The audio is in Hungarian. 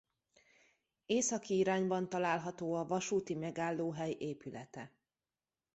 Északi irányban található a vasúti megállóhely épülete.